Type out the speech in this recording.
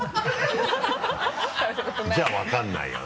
じゃあ分からないよな。